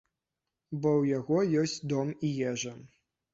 Бо ў яго ёсць дом і ежа.